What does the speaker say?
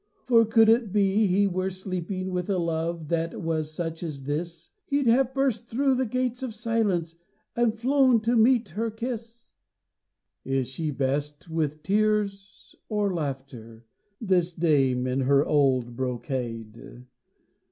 "For could it be he were sleeping. With a love that was such as this He'd have burst through the gates of silence, And flown to meet her kiss." Is she best with tears or laughter, This dame in her old brocade?